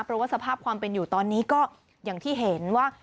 เพราะว่าสภาพความเป็นอยู่ตอนนี้ก็อย่างที่เห็นว่า